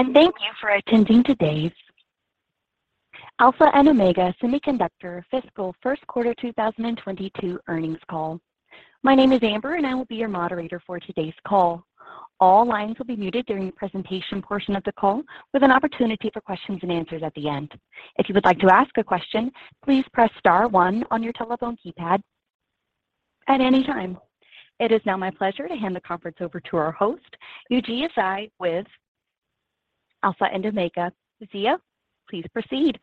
Thank you for attending today's Alpha and Omega Semiconductor fiscal first quarter 2022 earnings call. My name is Amber, and I will be your moderator for today's call. All lines will be muted during the presentation portion of the call, with an opportunity for questions and answers at the end. If you would like to ask a question, please press star one on your telephone keypad at any time. It is now my pleasure to hand the conference over to our host, Yujia Zhai, with Alpha and Omega Semiconductor. Yujia, please proceed.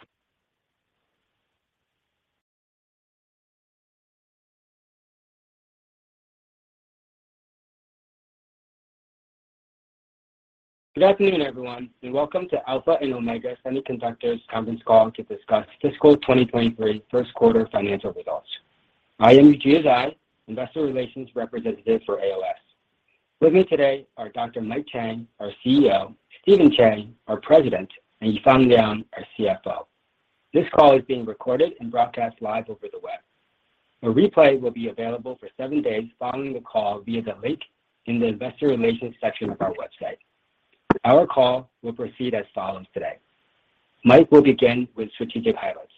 Good afternoon, everyone, and welcome to Alpha and Omega Semiconductor conference call to discuss fiscal 2023 first quarter financial results. I am Yujia Zhai, Investor Relations Representative for AOS. With me today are Mike Chang, our CEO, Stephen Chang, our President, and Yifan Liang, our CFO. This call is being recorded and broadcast live over the web. A replay will be available for seven days following the call via the link in the investor relations section of our website. Our call will proceed as follows today. Mike will begin with strategic highlights.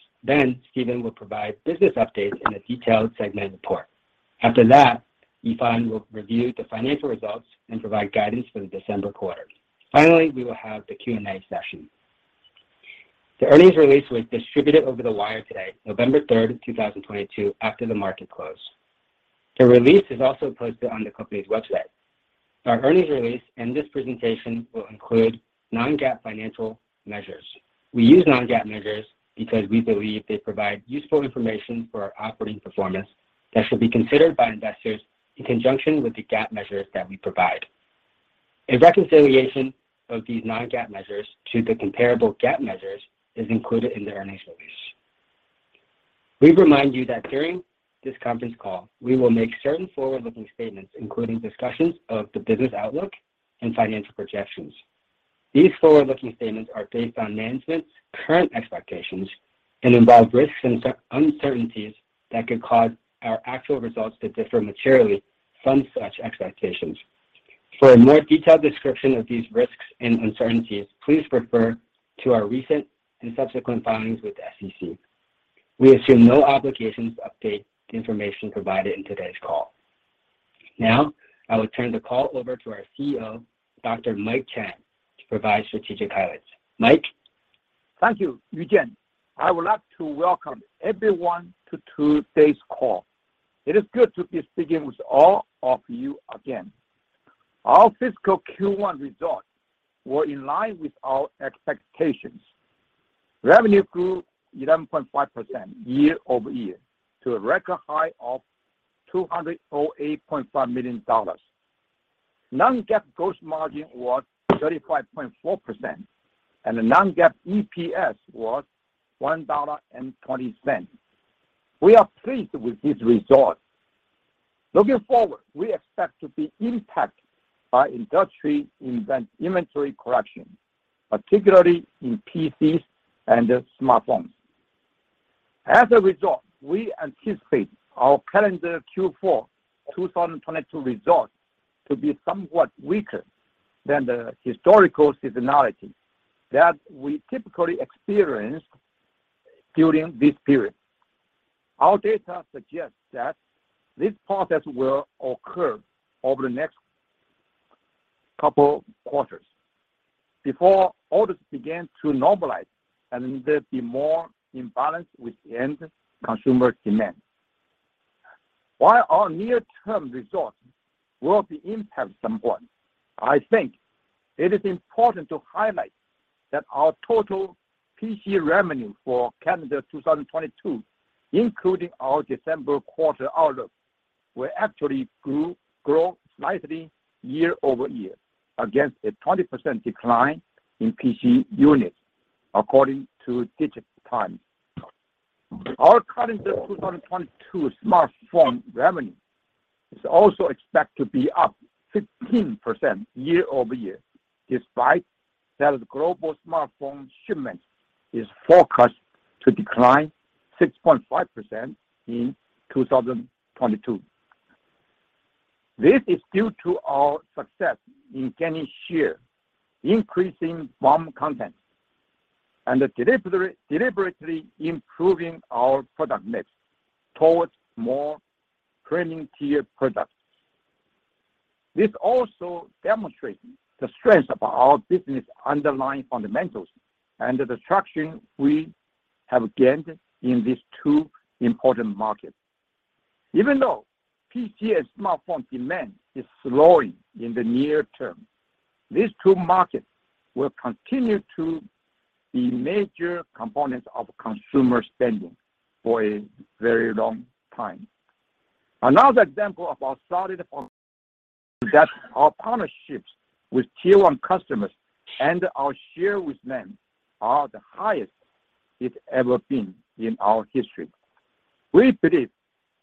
Stephen will provide business updates and a detailed segment report. After that, Yifan will review the financial results and provide guidance for the December quarter. Finally, we will have the Q&A session. The earnings release was distributed over the wire today, November 3, 2022, after the market closed. The release is also posted on the company's website. Our earnings release and this presentation will include non-GAAP financial measures. We use non-GAAP measures because we believe they provide useful information for our operating performance that should be considered by investors in conjunction with the GAAP measures that we provide. A reconciliation of these non-GAAP measures to the comparable GAAP measures is included in the earnings release. We remind you that during this conference call, we will make certain forward-looking statements, including discussions of the business outlook and financial projections. These forward-looking statements are based on management's current expectations and involve risks and uncertainties that could cause our actual results to differ materially from such expectations. For a more detailed description of these risks and uncertainties, please refer to our recent and subsequent filings with the SEC. We assume no obligation to update the information provided in today's call. Now, I will turn the call over to our CEO, Mike Chang, to provide strategic highlights. Mike. Thank you, Yujia. I would like to welcome everyone to today's call. It is good to be speaking with all of you again. Our fiscal Q1 results were in line with our expectations. Revenue grew 11.5% year-over-year to a record high of $208.5 million. Non-GAAP gross margin was 35.4%, and the non-GAAP EPS was $1.20. We are pleased with these results. Looking forward, we expect to be impacted by industry inventory correction, particularly in PCs and smartphones. As a result, we anticipate our calendar Q4 2022 results to be somewhat weaker than the historical seasonality that we typically experience during this period. Our data suggests that this process will occur over the next couple quarters before orders begin to normalize and there'll be more in balance with the end consumer demand. While our near-term results will be impacted somewhat, I think it is important to highlight that our total PC revenue for calendar 2022, including our December quarter outlook, will actually grow slightly year-over-year against a 20% decline in PC units according to DIGITIMES. Our calendar 2022 smartphone revenue is also expected to be up 15% year-over-year, despite that global smartphone shipment is forecast to decline 6.5% in 2022. This is due to our success in gaining share, increasing BOM content, and deliberately improving our product mix towards more premium tier products. This also demonstrates the strength of our business underlying fundamentals and the traction we have gained in these two important markets. Even though PC and smartphone demand is slowing in the near term, these two markets will continue to be major components of consumer spending for a very long time. Another example of our solid fundamentals is that our partnerships with tier-one customers and our share with them are the highest it's ever been in our history. We believe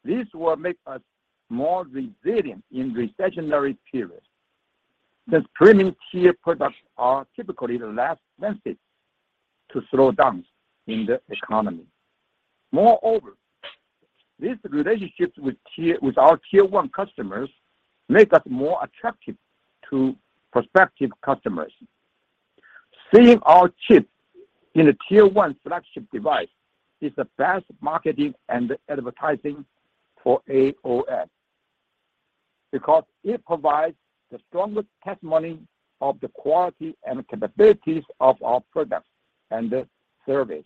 this will make us more resilient in recessionary periods. The premium tier products are typically the less sensitive to slowdowns in the economy. These relationships with our tier-one customers make us more attractive to prospective customers. Seeing our chips in a tier-one flagship device is the best marketing and advertising for AOS because it provides the strongest testimony of the quality and capabilities of our products and the service.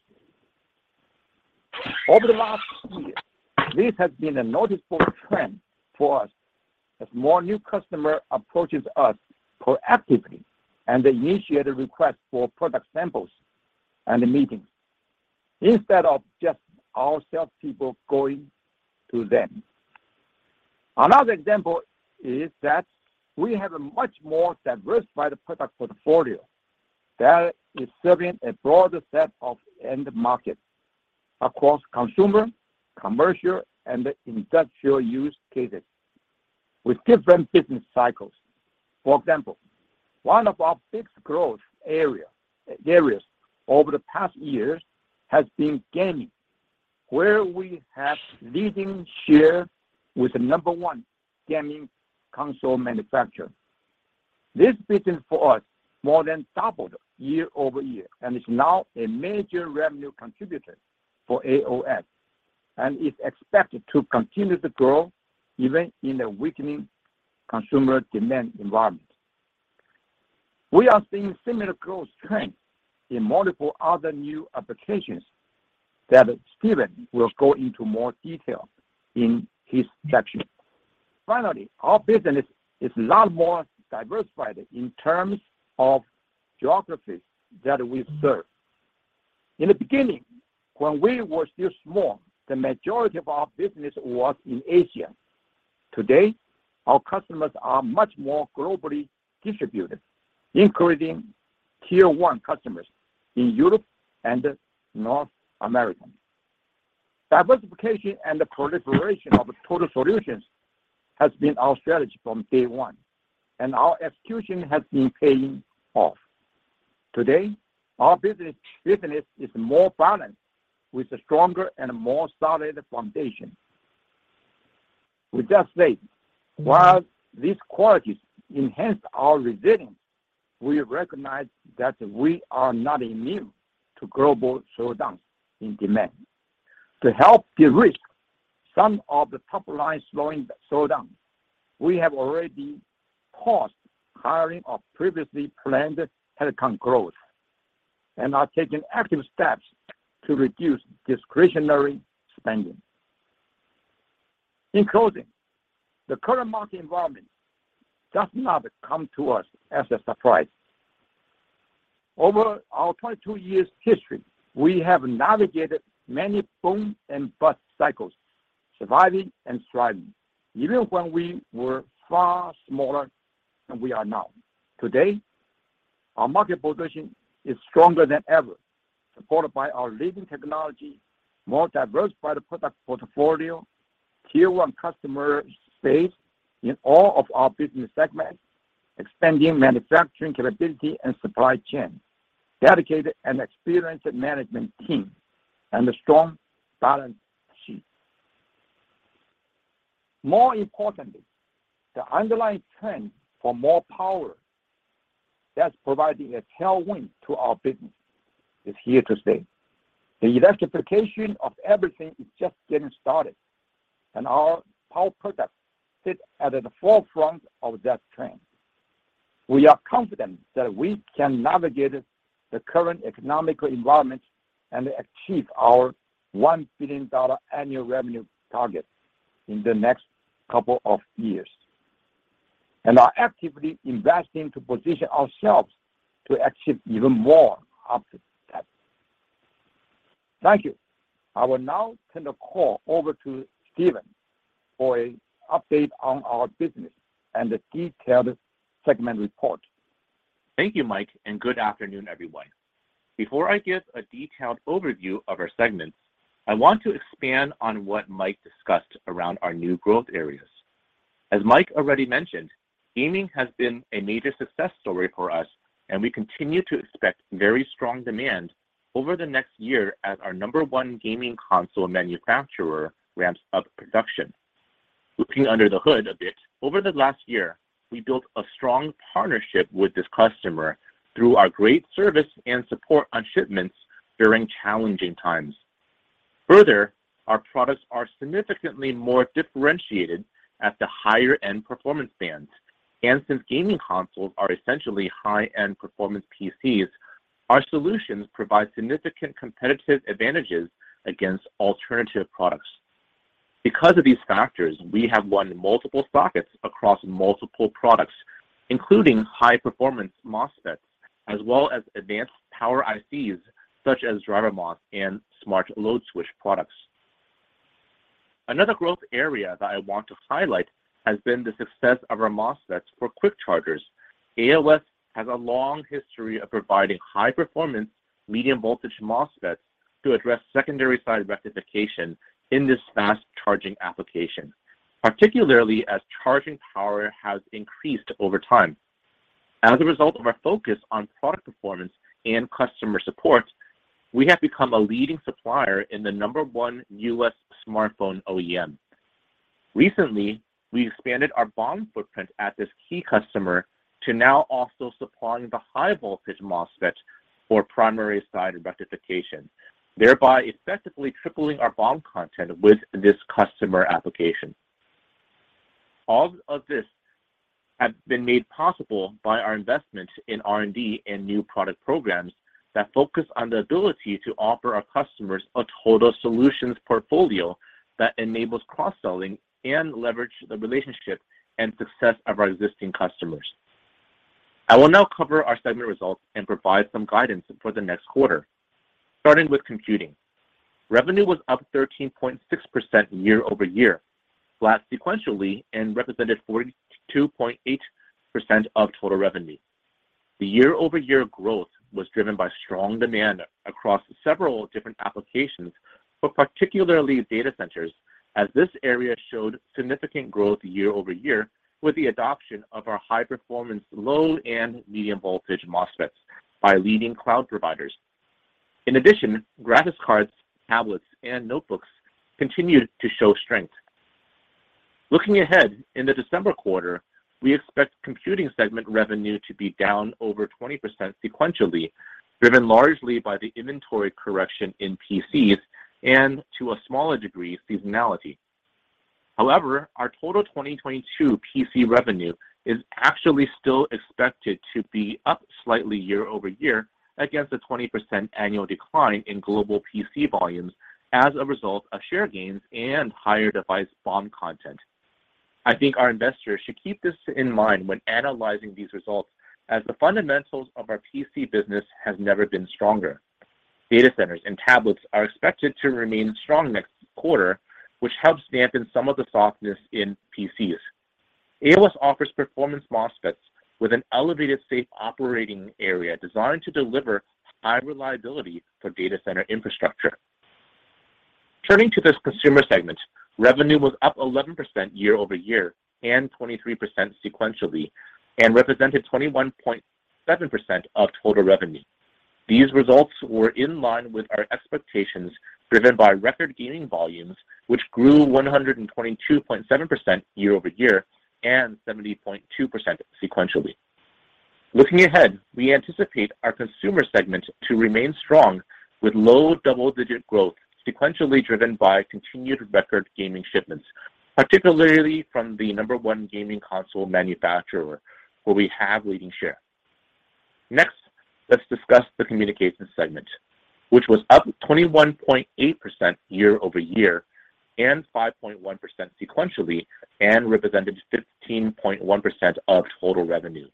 Over the last year, this has been a noticeable trend for us as more new customer approaches us proactively, and they initiate a request for product samples and a meeting instead of just our salespeople going to them. Another example is that we have a much more diversified product portfolio that is serving a broader set of end markets across consumer, commercial, and industrial use cases with different business cycles. For example, one of our biggest growth areas over the past years has been gaming, where we have leading share with the number one gaming console manufacturer. This business for us more than doubled year-over-year and is now a major revenue contributor for AOS and is expected to continue to grow even in a weakening consumer demand environment. We are seeing similar growth trends in multiple other new applications that Stephen will go into more detail in his section. Finally, our business is a lot more diversified in terms of geographies that we serve. In the beginning, when we were still small, the majority of our business was in Asia. Today, our customers are much more globally distributed, including tier-one customers in Europe and North America. Diversification and the proliferation of total solutions has been our strategy from day one, and our execution has been paying off. Today, our business is more balanced with a stronger and more solid foundation. With that said, while these qualities enhance our resilience, we recognize that we are not immune to global slowdown in demand. To help de-risk some of the top-line slowing slowdowns, we have already paused hiring of previously planned headcount growth and are taking active steps to reduce discretionary spending. In closing, the current market environment does not come to us as a surprise. Over our 22 years history, we have navigated many boom and bust cycles, surviving and thriving, even when we were far smaller than we are now. Today, our market position is stronger than ever, supported by our leading technology, more diversified product portfolio, tier-one customer base in all of our business segments, expanding manufacturing capability and supply chain, dedicated and experienced management team, and a strong balance sheet. More importantly, the underlying trend for more power that's providing a tailwind to our business is here to stay. The electrification of everything is just getting started, and our power products sit at the forefront of that trend. We are confident that we can navigate the current economic environment and achieve our $1 billion annual revenue target in the next couple of years, and are actively investing to position ourselves to achieve even more after that. Thank you. I will now turn the call over to Stephen for an update on our business and a detailed segment report. Thank you, Mike, and good afternoon, everyone. Before I give a detailed overview of our segments, I want to expand on what Mike discussed around our new growth areas. As Mike already mentioned, gaming has been a major success story for us, and we continue to expect very strong demand over the next year as our number one gaming console manufacturer ramps up production. Looking under the hood a bit, over the last year, we built a strong partnership with this customer through our great service and support on shipments during challenging times. Further, our products are significantly more differentiated at the higher-end performance bands. Since gaming consoles are essentially high-end performance PCs, our solutions provide significant competitive advantages against alternative products. Because of these factors, we have won multiple sockets across multiple products, including high-performance MOSFET, as well as advanced power ICs such as DriverMOS and Smart Load Switch products. Another growth area that I want to highlight has been the success of our MOSFET for quick chargers. AOS has a long history of providing high-performance medium voltage MOSFET to address secondary side rectification in this fast-charging application, particularly as charging power has increased over time. As a result of our focus on product performance and customer support, we have become a leading supplier in the number one U.S. smartphone OEM. Recently, we expanded our BOM footprint at this key customer to now also supplying the high voltage MOSFET for primary side rectification, thereby effectively tripling our BOM content with this customer application. All of this has been made possible by our investment in R&D and new product programs that focus on the ability to offer our customers a total solutions portfolio that enables cross-selling and leverage the relationship and success of our existing customers. I will now cover our segment results and provide some guidance for the next quarter, starting with computing. Revenue was up 13.6% year-over-year, flat sequentially, and represented 42.8% of total revenue. The year-over-year growth was driven by strong demand across several different applications, but particularly data centers as this area showed significant growth year-over-year with the adoption of our high performance low and medium voltage MOSFETs by leading cloud providers. In addition, graphics cards, tablets, and notebooks continued to show strength. Looking ahead, in the December quarter, we expect computing segment revenue to be down over 20% sequentially, driven largely by the inventory correction in PCs and to a smaller degree, seasonality. However, our total 2022 PC revenue is actually still expected to be up slightly year-over-year against a 20% annual decline in global PC volumes as a result of share gains and higher device BOM content. I think our investors should keep this in mind when analyzing these results as the fundamentals of our PC business has never been stronger. Data centers and tablets are expected to remain strong next quarter, which helps dampen some of the softness in PCs. AOS offers performance MOSFETs with an elevated safe operating area designed to deliver high reliability for data center infrastructure. Turning to this consumer segment, revenue was up 11% year-over-year and 23% sequentially, and represented 21.7% of total revenue. These results were in line with our expectations, driven by record gaming volumes, which grew 122.7% year-over-year and 70.2% sequentially. Looking ahead, we anticipate our consumer segment to remain strong with low double-digit growth sequentially driven by continued record gaming shipments, particularly from the number one gaming console manufacturer where we have leading share. Next, let's discuss the communication segment, which was up 21.8% year-over-year and 5.1% sequentially, and represented 15.1% of total revenue.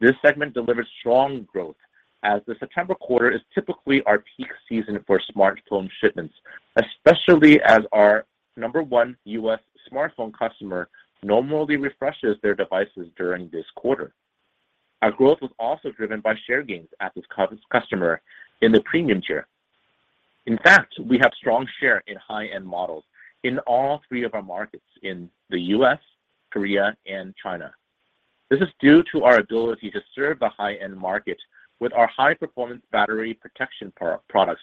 This segment delivered strong growth as the September quarter is typically our peak season for smartphone shipments, especially as our number one U.S. smartphone customer normally refreshes their devices during this quarter. Our growth was also driven by share gains at this customer in the premium tier. In fact, we have strong share in high-end models in all three of our markets in the U.S., Korea, and China. This is due to our ability to serve the high-end market with our high-performance battery protection products,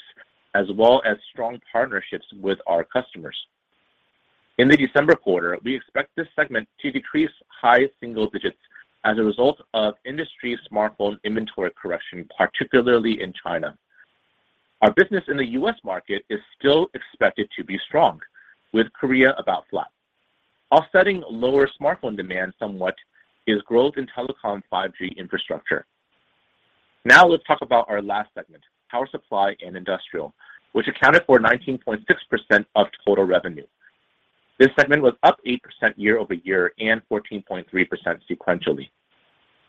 as well as strong partnerships with our customers. In the December quarter, we expect this segment to decrease high single digits. As a result of industry smartphone inventory correction, particularly in China. Our business in the U.S. market is still expected to be strong, with Korea about flat. Offsetting lower smartphone demand somewhat is growth in telecom 5G infrastructure. Now let's talk about our last segment, power supply and industrial, which accounted for 19.6% of total revenue. This segment was up 8% year-over-year and 14.3% sequentially.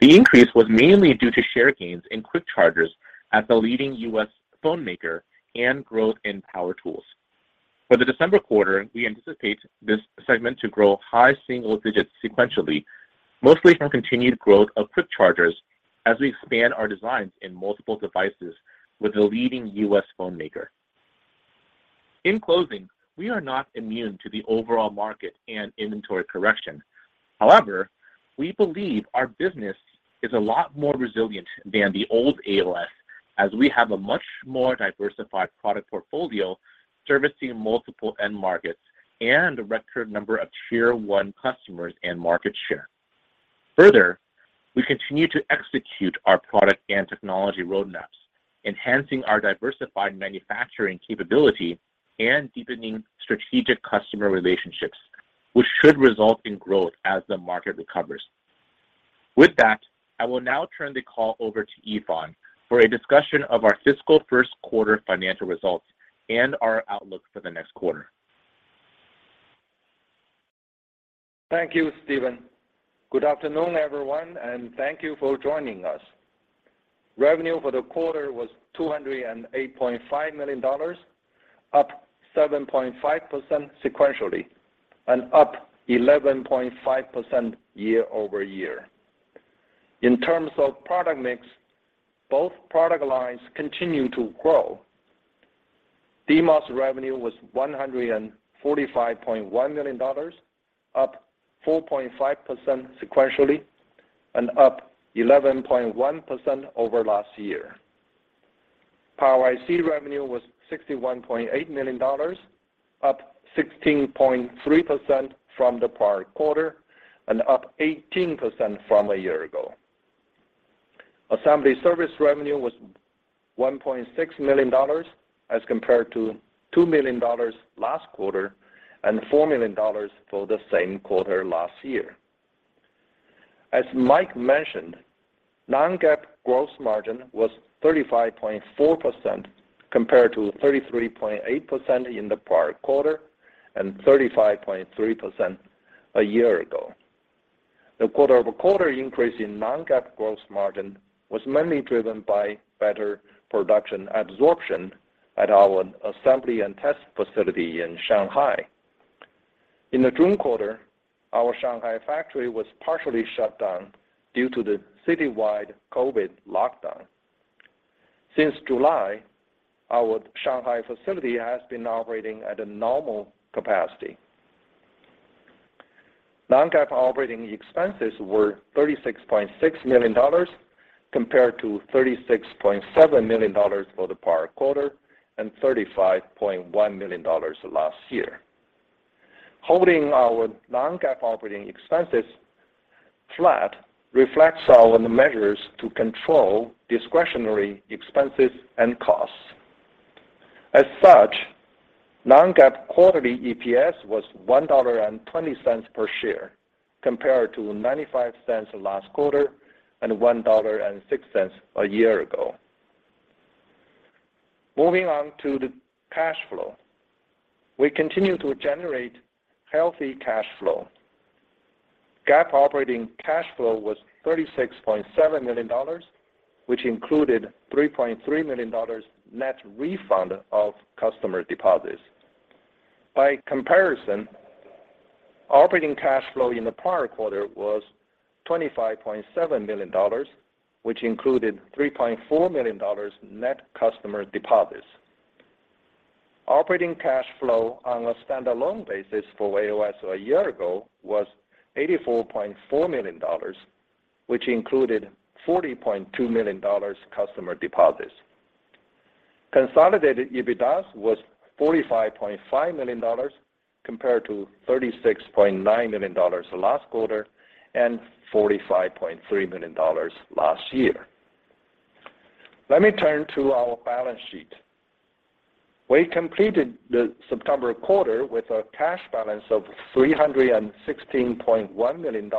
The increase was mainly due to share gains in quick chargers at the leading U.S. phone maker and growth in power tools. For the December quarter, we anticipate this segment to grow high-single-digits sequentially, mostly from continued growth of quick chargers as we expand our designs in multiple devices with the leading U.S. phone maker. In closing, we are not immune to the overall market and inventory correction. However, we believe our business is a lot more resilient than the old AOS as we have a much more diversified product portfolio servicing multiple end markets and a record number of tier one customers and market share. Further, we continue to execute our product and technology roadmaps, enhancing our diversified manufacturing capability and deepening strategic customer relationships, which should result in growth as the market recovers. With that, I will now turn the call over to Yifan for a discussion of our fiscal first quarter financial results and our outlook for the next quarter. Thank you, Stephen. Good afternoon, everyone, and thank you for joining us. Revenue for the quarter was $208.5 million, up 7.5% sequentially, and up 11.5% year-over-year. In terms of product mix, both product lines continue to grow. DMOS revenue was $145.1 million, up 4.5% sequentially and up 11.1% over last year. Power IC revenue was $61.8 million, up 16.3% from the prior quarter and up 18% from a year ago. Assembly service revenue was $1.6 million as compared to $2 million last quarter and $4 million for the same quarter last year. As Mike mentioned, non-GAAP gross margin was 35.4% compared to 33.8% in the prior quarter and 35.3% a year ago. The quarter-over-quarter increase in non-GAAP gross margin was mainly driven by better production absorption at our assembly and test facility in Shanghai. In the June quarter, our Shanghai factory was partially shut down due to the citywide COVID lockdown. Since July, our Shanghai facility has been operating at a normal capacity. Non-GAAP operating expenses were $36.6 million compared to $36.7 million for the prior quarter and $35.1 million last year. Holding our non-GAAP operating expenses flat reflects our measures to control discretionary expenses and costs. As such, non-GAAP quarterly EPS was $1.20 per share compared to $0.95 last quarter and $1.06 a year ago. Moving on to the cash flow. We continue to generate healthy cash flow. GAAP operating cash flow was $36.7 million, which included $3.3 million net refund of customer deposits. By comparison, operating cash flow in the prior quarter was $25.7 million, which included $3.4 million net customer deposits. Operating cash flow on a standalone basis for AOS a year ago was $84.4 million, which included $40.2 million customer deposits. Consolidated EBITDA was $45.5 million compared to $36.9 million last quarter and $45.3 million last year. Let me turn to our balance sheet. We completed the September quarter with a cash balance of $316.1 million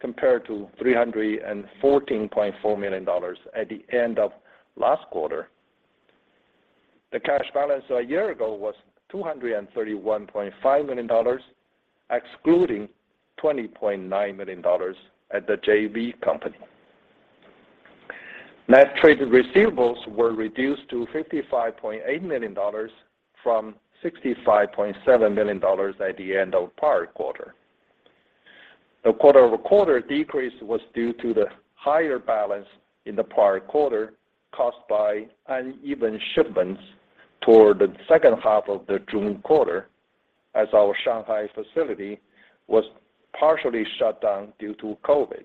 compared to $314.4 million at the end of last quarter. The cash balance a year ago was $231.5 million, excluding $20.9 million at the JV company. Net trade receivables were reduced to $55.8 million from $65.7 million at the end of the prior quarter. The quarter-over-quarter decrease was due to the higher balance in the prior quarter caused by uneven shipments toward the second half of the June quarter as our Shanghai facility was partially shut down due to COVID.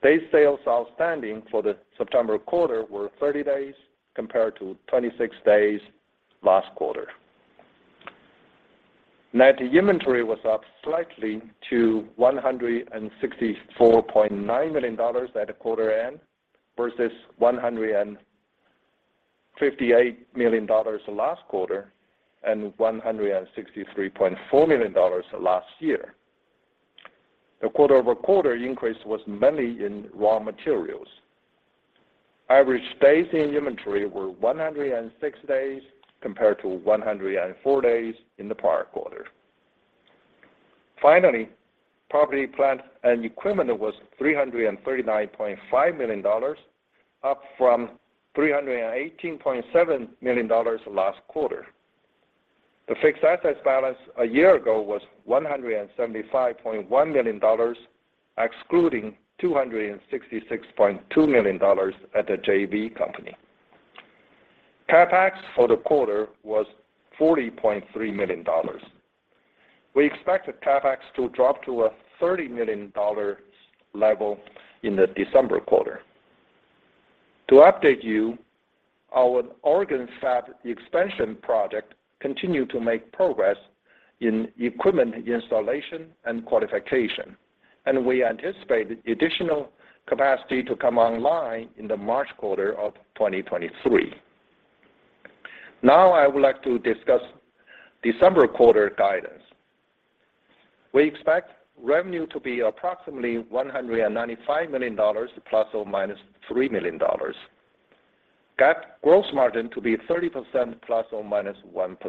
Day sales outstanding for the September quarter were 30 days compared to 26 days last quarter. Net inventory was up slightly to $164.9 million at the quarter end versus $158 million last quarter and $163.4 million last year. The quarter-over-quarter increase was mainly in raw materials. Average days in inventory were 106 days compared to 104 days in the prior quarter. Finally, property, plant and equipment was $339.5 million, up from $318.7 million last quarter. The fixed assets balance a year ago was $175.1 million, excluding $266.2 million at the JV company. CapEx for the quarter was $40.3 million. We expect the CapEx to drop to a $30 million level in the December quarter. To update you, our Oregon fab expansion project continued to make progress in equipment installation and qualification, and we anticipate additional capacity to come online in the March quarter of 2023. Now I would like to discuss December quarter guidance. We expect revenue to be approximately $195 million ± $3 million. GAAP gross margin to be 30% ± 1%.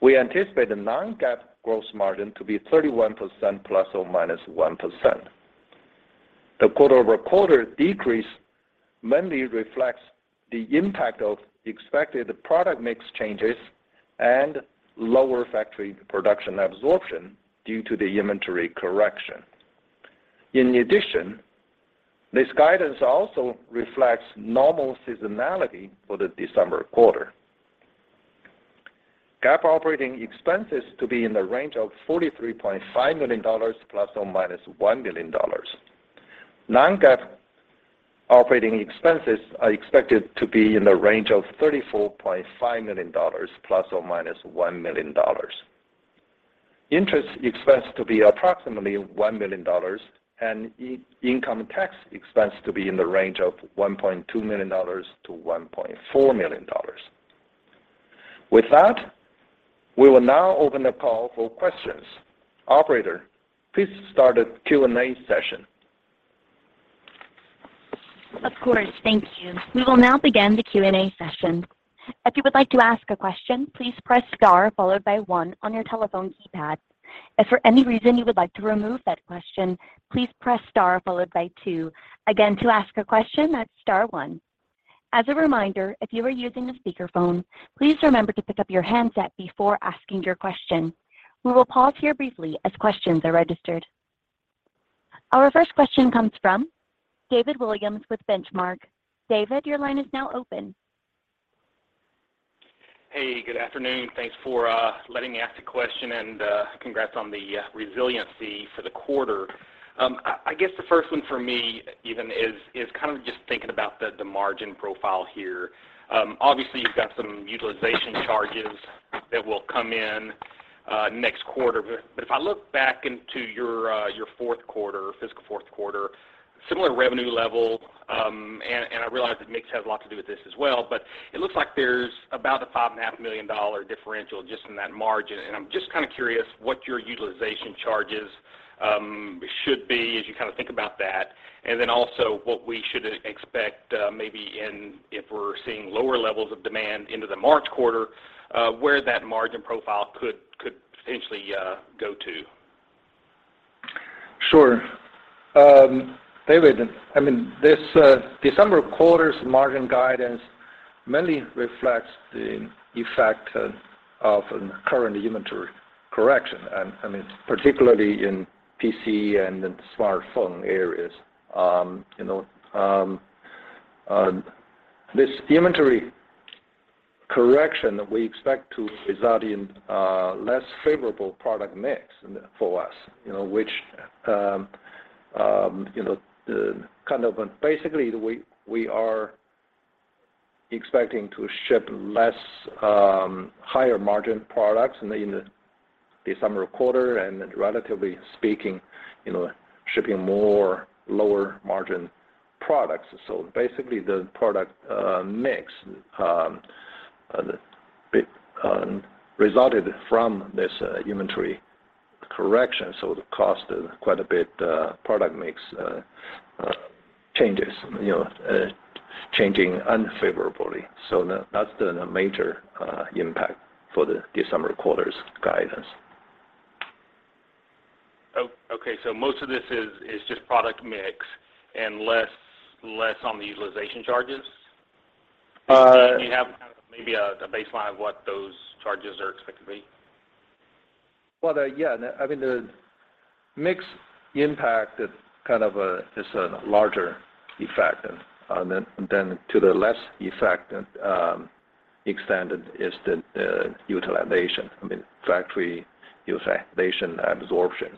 We anticipate the non-GAAP gross margin to be 31% ± 1%. The quarter-over-quarter decrease mainly reflects the impact of expected product mix changes and lower factory production absorption due to the inventory correction. In addition, this guidance also reflects normal seasonality for the December quarter. GAAP operating expenses to be in the range of $43.5 million ± $1 million. Non-GAAP operating expenses are expected to be in the range of $34.5 million ± $1 million. Interest expense to be approximately $1 million and effective income tax expense to be in the range of $1.2 million-$1.4 million. With that, we will now open the call for questions. Operator, please start the Q&A session. Of course. Thank you. We will now begin the Q&A session. If you would like to ask a question, please press star followed by one on your telephone keypad. If for any reason you would like to remove that question, please press star followed by two. Again, to ask a question, that's star one. As a reminder, if you are using a speakerphone, please remember to pick up your handset before asking your question. We will pause here briefly as questions are registered. Our first question comes from David Williams with Benchmark. David, your line is now open. Hey, good afternoon. Thanks for letting me ask a question and congrats on the resiliency for the quarter. I guess the first one for me even is kind of just thinking about the margin profile here. Obviously, you've got some utilization charges that will come in next quarter. But if I look back into your fourth quarter, fiscal fourth quarter, similar revenue level, and I realize the mix has a lot to do with this as well, but it looks like there's about a $5.5 million differential just in that margin. I'm just kind of curious what your utilization charges should be as you kind of think about that. Also what we should expect, maybe in if we're seeing lower levels of demand into the March quarter, where that margin profile could potentially go to. Sure. David, I mean, this December quarter's margin guidance mainly reflects the effect of current inventory correction, I mean, particularly in PC and in smartphone areas. You know, this inventory correction we expect to result in less favorable product mix for us, you know, which you know kind of basically we are expecting to ship less higher margin products in the December quarter and relatively speaking you know shipping more lower margin products. Basically, the product mix resulted from this inventory correction, that's quite a bit. Product mix changes, you know, changing unfavorably. That's the major impact for the December quarter's guidance. Okay. Most of this is just product mix and less on the utilization charges? Uh- Do you have the baseline of what those charges are expected to be? Well, yeah. I mean, the mix impact is a larger effect. Then, to the lesser effect, extended is the utilization. I mean, factory utilization absorption.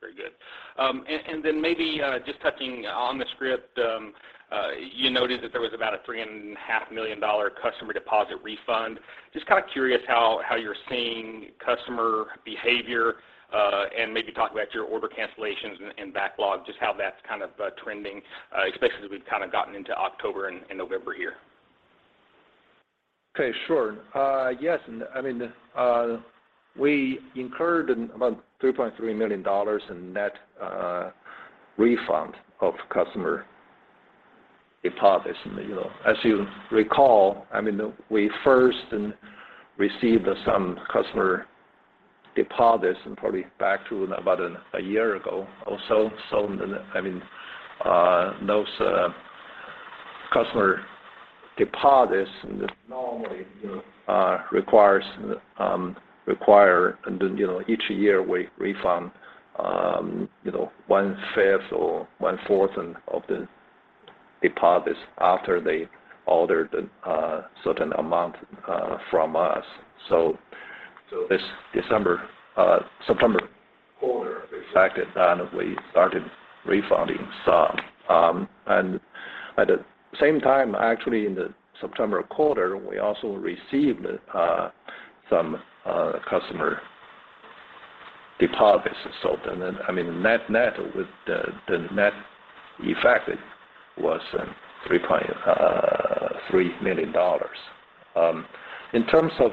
Very good. Then maybe just touching on the script, you noted that there was about a $3.5 million customer deposit refund. Just kind of curious how you're seeing customer behavior, and maybe talk about your order cancellations and backlog, just how that's kind of trending, especially as we've kind of gotten into October and November here. Okay, sure. Yes, I mean, we incurred about $3.3 million in net refund of customer deposits. You know, as you recall, I mean, we first received some customer deposits probably back to about a year ago or so. I mean, those customer deposits normally, you know, require each year we refund one fifth or one fourth of the deposits after they order the certain amount from us. September quarter, in fact, that we started refunding some. At the same time, actually in the September quarter, we also received some customer deposits. I mean, net-net with the net effect was $3.3 million. In terms of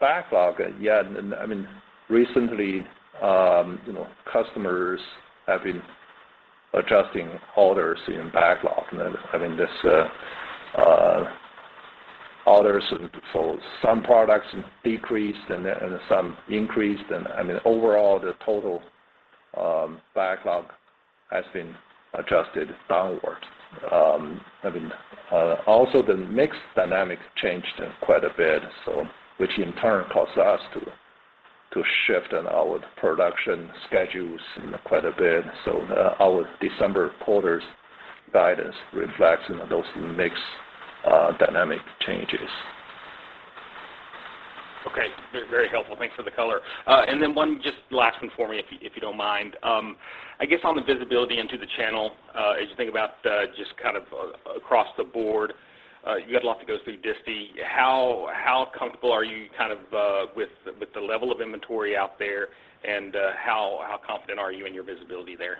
backlog, yeah, I mean, recently, you know, customers have been adjusting orders in backlog. I mean, orders for some products decreased and some increased. I mean, overall, the total backlog has been adjusted downwards. I mean, also the mix dynamics changed quite a bit, which in turn caused us to shift in our production schedules, you know, quite a bit. Our December quarter's guidance reflects, you know, those mix dynamics changes. Okay. Very, very helpful. Thanks for the color. One just last one for me, if you don't mind. I guess on the visibility into the channel, as you think about just kind of across the board, you had a lot that goes through distie. How comfortable are you kind of with the level of inventory out there, and how confident are you in your visibility there?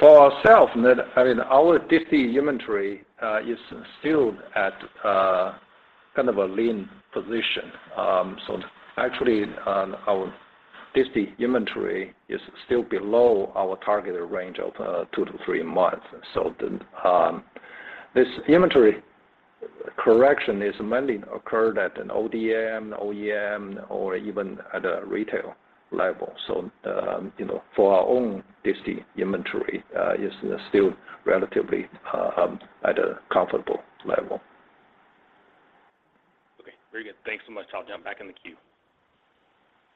For ourselves, I mean, our distie inventory is still at kind of a lean position. Actually, our distie inventory is still below our targeted range of two to three months. This inventory correction is mainly occurred at an ODM, OEM, or even at a retail level. You know, for our own distie inventory is still relatively at a comfortable level. Okay. Very good. Thanks so much. I'll jump back in the queue.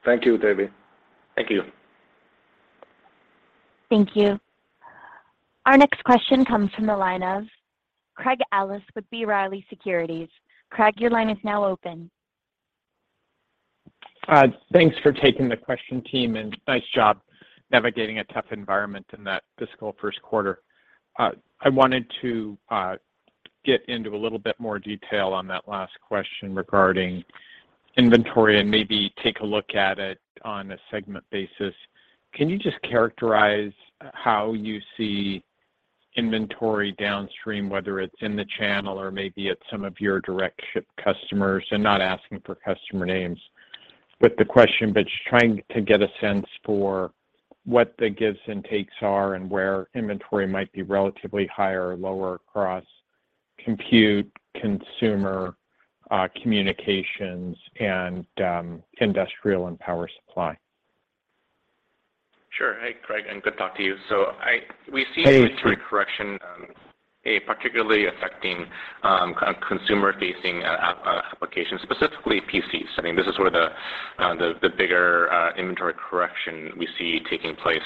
Thank you, David. Thank you. Thank you. Our next question comes from the line of Craig Ellis with B. Riley Securities. Craig, your line is now open. Thanks for taking the question, team, and nice job navigating a tough environment in that fiscal first quarter. I wanted to get into a little bit more detail on that last question regarding inventory and maybe take a look at it on a segment basis. Can you just characterize how you see inventory downstream, whether it's in the channel or maybe at some of your direct ship customers? I'm not asking for customer names. But just trying to get a sense for what the gives and takes are and where inventory might be relatively higher or lower across compute, consumer, communications, and industrial and power supply. Sure. Hey, Craig, and good to talk to you. Hey We see inventory correction, particularly affecting consumer-facing applications, specifically PCs. I mean, this is where the bigger inventory correction we see taking place,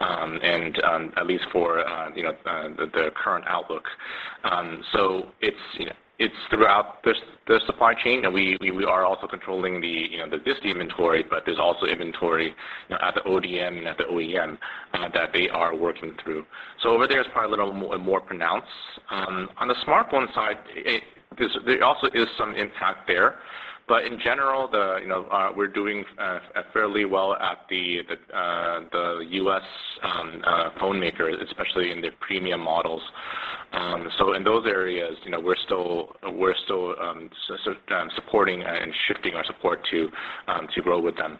and at least for you know, the current outlook. It's you know, it's throughout the supply chain, and we are also controlling you know, the distie inventory, but there's also inventory you know, at the ODM and at the OEM that they are working through. Over there, it's probably a little more pronounced. On the smartphone side, there also is some impact there. In general, you know, we're doing fairly well at the U.S. phone maker, especially in their premium models. In those areas, you know, we're still supporting and shifting our support to grow with them.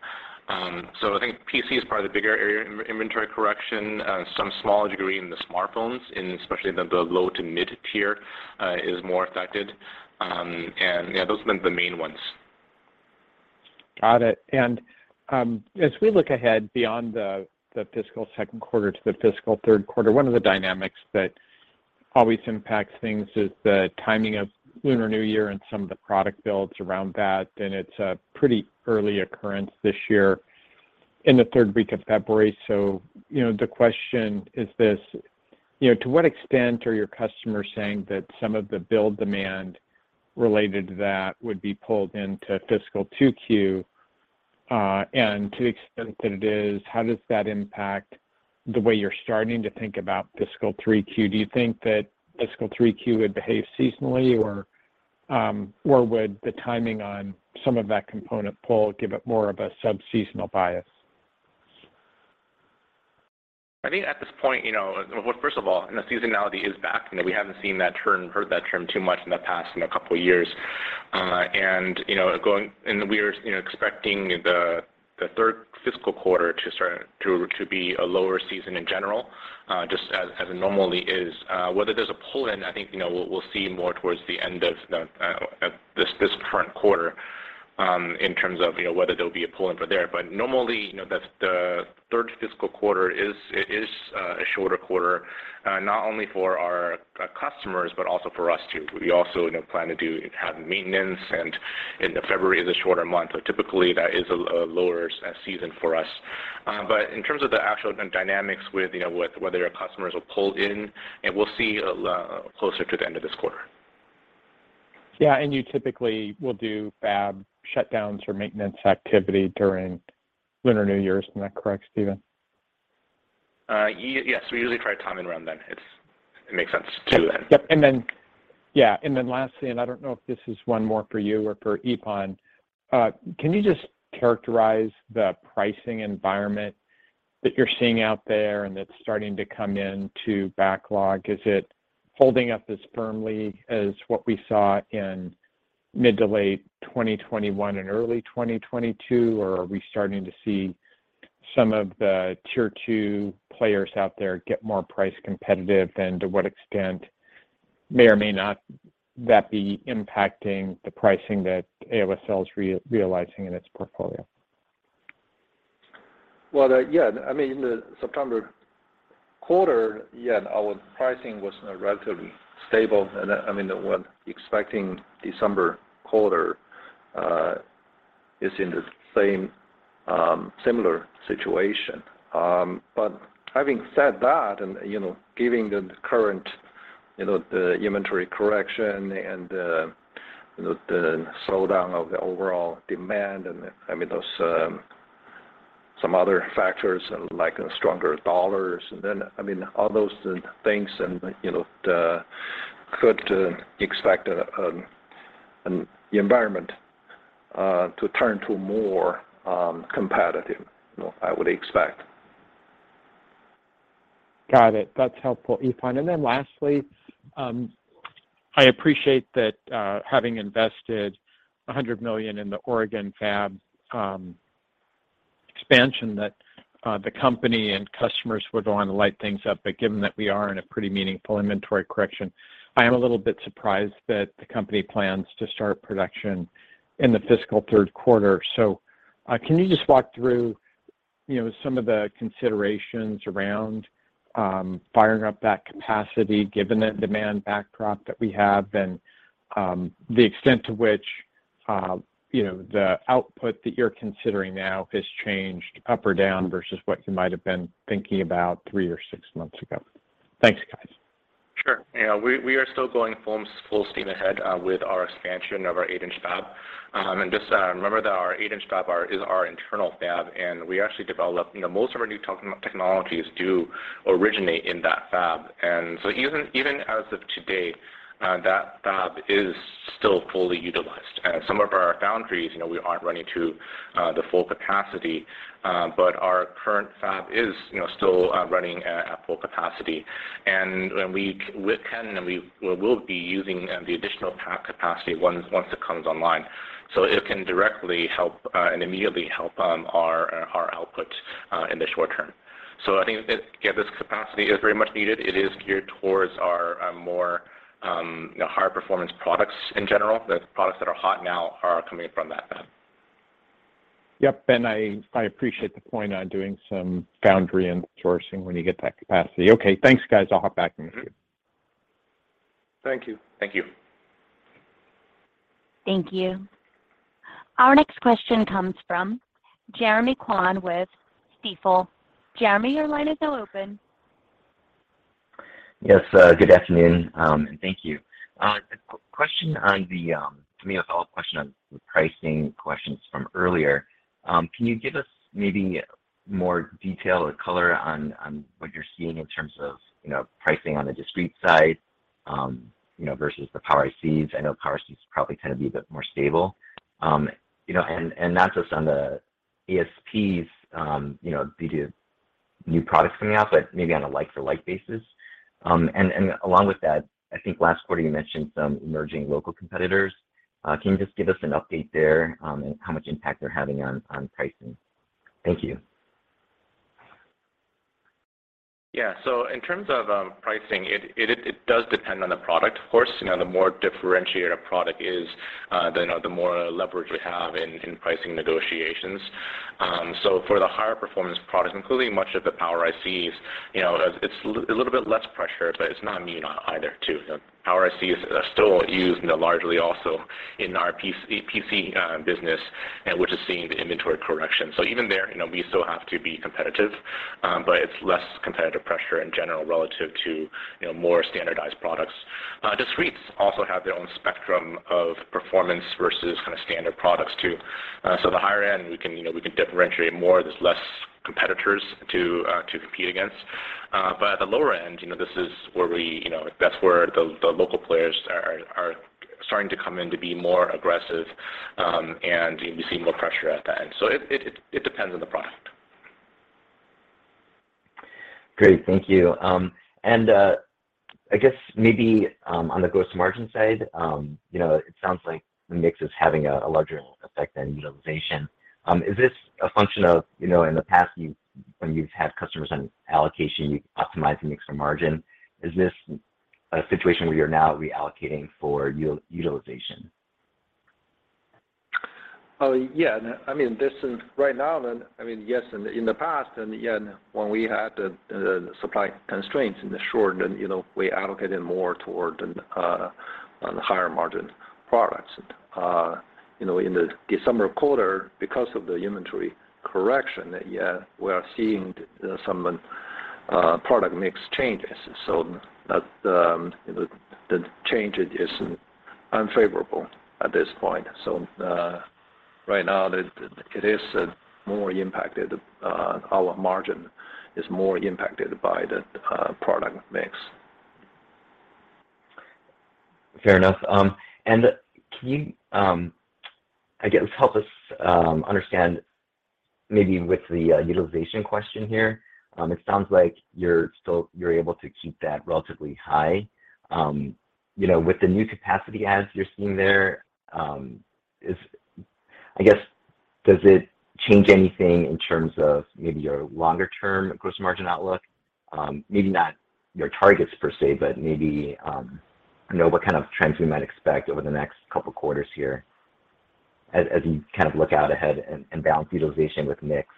I think PC is probably the bigger area in inventory correction. Some small degree in the smartphones, especially in the low to mid-tier, is more affected. Yeah, those have been the main ones. Got it. As we look ahead beyond the fiscal second quarter to the fiscal third quarter, one of the dynamics that always impacts things is the timing of Lunar New Year and some of the product builds around that, and it's a pretty early occurrence this year in the third week of February. You know, the question is this: You know, to what extent are your customers saying that some of the build demand related to that would be pulled into fiscal 2Q? And to the extent that it is, how does that impact the way you're starting to think about fiscal 3Q? Do you think that fiscal 3Q would behave seasonally, or would the timing on some of that component pull give it more of a sub-seasonal bias? I think at this point, you know, first of all, the seasonality is back. You know, we haven't seen that term, heard that term too much in the past, you know, couple years. You know, we're, you know, expecting the third fiscal quarter to start to be a lower season in general, just as it normally is. Whether there's a pull-in, I think, you know, we'll see more towards the end of this current quarter, in terms of, you know, whether there'll be a pull-in for there. Normally, you know, the third fiscal quarter is a shorter quarter, not only for our customers, but also for us too. We also, you know, plan to have maintenance, and February is a shorter month, so typically that is a lower season for us. In terms of the actual dynamics with, you know, with whether our customers will pull in, and we'll see closer to the end of this quarter. Yeah. You typically will do fab shutdowns or maintenance activity during Lunar New Year, isn't that correct, Stephen? Yes, we usually try to time it around then. It makes sense to then. Yep. I don't know if this is one more for you or for Yifan. Can you just characterize the pricing environment that you're seeing out there and that's starting to come into backlog? Is it holding up as firmly as what we saw in mid to late 2021 and early 2022, or are we starting to see some of the tier two players out there get more price competitive? To what extent may or may not that be impacting the pricing that AOSL is realizing in its portfolio? Well, yeah, I mean, in the September quarter, yeah, our pricing was, you know, relatively stable. I mean, we're expecting December quarter is in the same similar situation. But having said that, you know, given the current, you know, the inventory correction and the slowdown of the overall demand, and I mean, those some other factors like a stronger dollar. Then I mean all those things and, you know, could expect the environment to turn to more competitive, you know, I would expect. Got it. That's helpful, Yifan. Lastly, I appreciate that, having invested $100 million in the Oregon fab expansion that the company and customers were going to light things up. Given that we are in a pretty meaningful inventory correction, I am a little bit surprised that the company plans to start production in the fiscal third quarter. Can you just walk through, you know, some of the considerations around firing up that capacity, given the demand backdrop that we have and the extent to which, you know, the output that you're considering now has changed up or down versus what you might have been thinking about three or six months ago? Thanks, guys. Sure. Yeah. We are still going full steam ahead with our expansion of our eight-inch fab. Just remember that our eight-inch fab is our internal fab, and we actually developed, you know, most of our new technologies do originate in that fab. Even as of today, that fab is still fully utilized. Some of our foundries, you know, we aren't running at the full capacity, but our current fab is, you know, still running at full capacity. With Canon, we will be using the additional capacity once it comes online, so it can directly help and immediately help our output in the short term. I think, yeah, this capacity is very much needed. It is geared towards our, more, you know, higher performance products in general. The products that are hot now are coming from that. Yep. I appreciate the point on doing some foundry and sourcing when you get that capacity. Okay, thanks, guys. I'll hop back in with you. Thank you. Thank you. Thank you. Our next question comes from Jeremy Kwan with Stifel. Jeremy, your line is now open. Yes, good afternoon, and thank you. A question to me, a follow-up question on the pricing questions from earlier. Can you give us maybe more detail or color on what you're seeing in terms of, you know, pricing on the discrete side, you know, versus the power ICs? I know power IC is probably gonna be a bit more stable. You know, and not just on the ASPs, you know, due to new products coming out, but maybe on a like-for-like basis. Along with that, I think last quarter you mentioned some emerging local competitors. Can you just give us an update there, and how much impact they're having on pricing? Thank you. Yeah. In terms of pricing, it does depend on the product. Of course, you know, the more differentiated a product is, then, you know, the more leverage we have in pricing negotiations. For the higher performance products, including much of the power ICs, you know, it's a little bit less pressure, but it's not immune either. The power ICs are still used, you know, largely also in our PC business, and which is seeing the inventory correction. Even there, you know, we still have to be competitive, but it's less competitive pressure in general relative to, you know, more standardized products. Discretes also have their own spectrum of performance versus kind of standard products too. The higher end, we can, you know, we can differentiate more. There's less competitors to compete against. At the lower end, you know, this is where, you know, that's where the local players are starting to come in to be more aggressive, and you see more pressure at that end. It depends on the product. Great. Thank you. I guess maybe on the gross margin side, you know, it sounds like the mix is having a larger effect than utilization. Is this a function of, you know, in the past when you've had customers on allocation, you optimize the mix or margin. Is this a situation where you're now reallocating for utilization? I mean, right now then, I mean, yes, in the past, when we had the supply constraints in the short run, you know, we allocated more toward higher margin products. You know, in the December quarter, because of the inventory correction, we are seeing some product mix changes. That the change is unfavorable at this point. Right now, it is more impacted. Our margin is more impacted by the product mix. Fair enough. Can you, I guess, help us understand maybe with the utilization question here. It sounds like you're able to keep that relatively high. You know, with the new capacity adds you're seeing there, does it change anything in terms of maybe your longer-term gross margin outlook? Maybe not your targets per se, but maybe, you know, what kind of trends we might expect over the next couple quarters here as you kind of look out ahead and balance utilization with mix.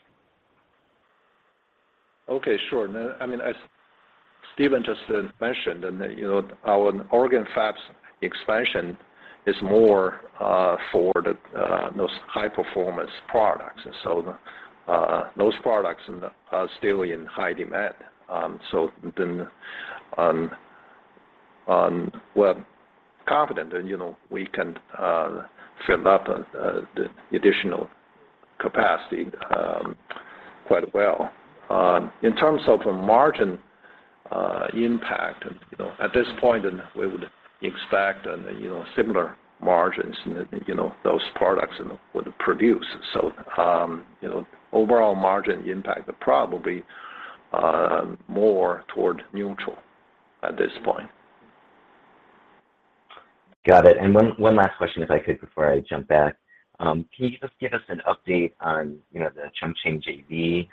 Okay. Sure. I mean, as Stephen just mentioned and, you know, our Oregon fabs expansion is more for those high-performance products. Those products are still in high demand. We're confident that, you know, we can fill up the additional capacity quite well. In terms of the margin impact, you know, at this point then we would expect, you know, similar margins and, you know, those products and would produce. Overall margin impact are probably more toward neutral at this point. Got it. One last question if I could before I jump back. Can you just give us an update on, you know, the Chongqing JV?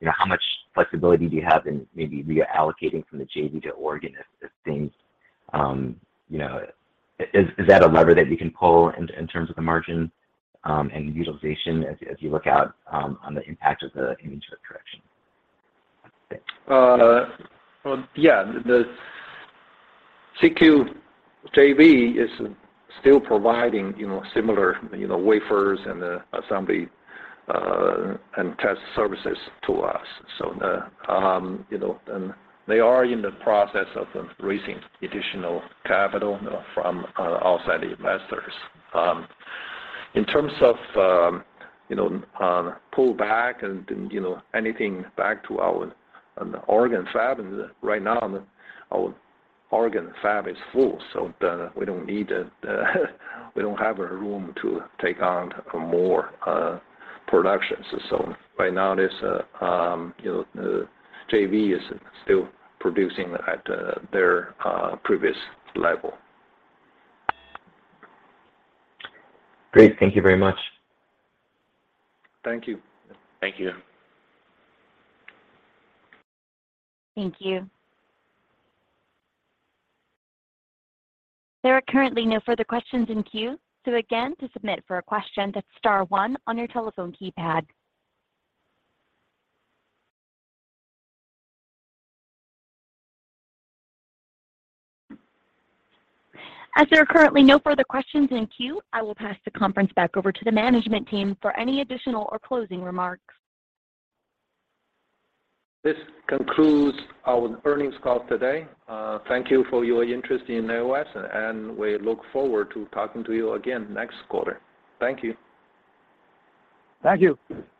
You know, how much flexibility do you have in maybe reallocating from the JV to Oregon as things, you know? Is that a lever that you can pull in terms of the margin and utilization as you look out on the impact of the inventory correction? The CQ JV is still providing, you know, similar, you know, wafers and assembly and test services to us. They are in the process of raising additional capital from outside investors. In terms of pull back and you know, anything back to our Oregon fab, right now our Oregon fab is full. We don't need, we don't have room to take on more production. Right now this, you know, the JV is still producing at their previous level. Great. Thank you very much. Thank you. Thank you. Thank you. There are currently no further questions in queue, so again, to submit for a question, that's star one on your telephone keypad. As there are currently no further questions in queue, I will pass the conference back over to the management team for any additional or closing remarks. This concludes our earnings call today. Thank you for your interest in AOS, and we look forward to talking to you again next quarter. Thank you. Thank you. Thank you.